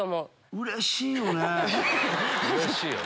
うれしいよね。